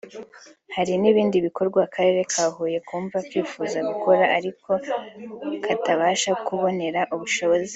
Hari n’ibindi bikorwa Akarere ka Huye kumva kifuza gukora ariko katabashije kubonera ubushobozi